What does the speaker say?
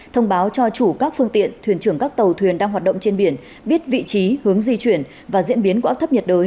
thông báo cho chủ các phương tiện thuyền trưởng các tàu thuyền đang hoạt động trên biển biết vị trí hướng di chuyển và diễn biến của áp thấp nhiệt đới